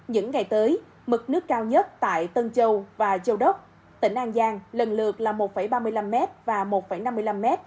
những ngày tới mực nước cao nhất tại tân châu và châu đốc tỉnh an giang lần lượt là một ba mươi năm m và một năm mươi năm m